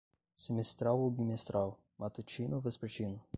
Semestral ou bimestral? Matutino ou vespertino?